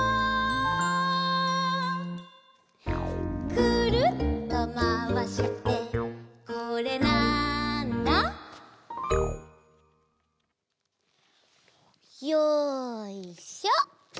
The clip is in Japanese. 「くるっとまわしてこれ、なんだ？」よいしょ！